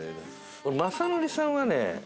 俺雅紀さんはね